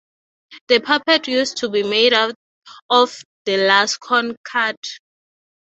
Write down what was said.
The puppet used to be made out of the last corn cut.